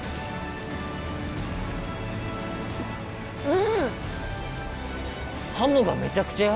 うん！